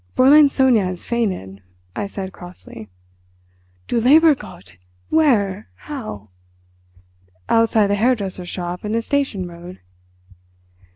"Fräulein Sonia has fainted," I said crossly. "Du lieber Gott! Where? How?" "Outside the hairdresser's shop in the Station Road."